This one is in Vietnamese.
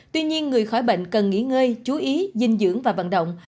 tuy nhiên người khỏi bệnh cần nghỉ ngơi chú ý dinh dưỡng và vận động